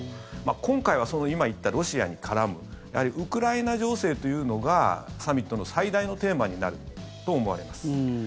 今回は今、言ったロシアに絡むやはりウクライナ情勢というのがサミットの最大のテーマになると思われます。